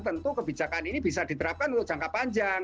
tentu kebijakan ini bisa diterapkan untuk jangka panjang